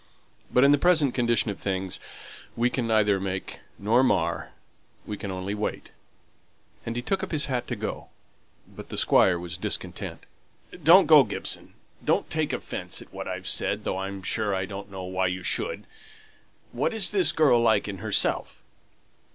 But in the present condition of things, we can neither make nor mar; we can only wait." And he took up his hat to go. But the Squire was discontented. "Don't go, Gibson. Don't take offence at what I've said, though I'm sure I don't know why you should. What's the girl like in herself?"